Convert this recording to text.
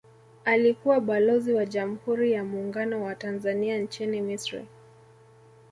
Alikuwa Balozi wa Jamhuri ya Muungano wa Tanzania nchini Misri